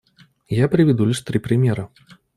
Я приведу лишь три примера.